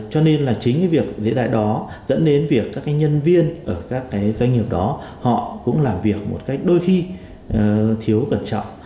cho nên chính việc dễ dãi đó dẫn đến việc các nhân viên ở các doanh nghiệp đó họ cũng làm việc một cách đôi khi thiếu cẩn trọng